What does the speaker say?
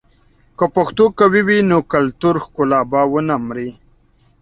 که پښتو قوي وي، نو کلتوري ښکلا به ونه مري.